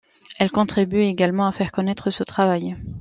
Elle contribue également à faire connaître ce travail.